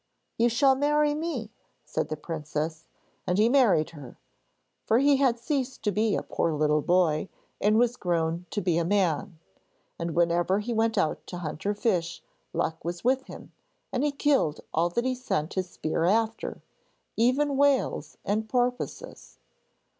'You shall marry me,' said the princess, and he married her, for he had ceased to be a poor little boy, and was grown to be a man. And whenever he went out to hunt or to fish, luck was with him, and he killed all that he sent his spear after, even whales and porpoises.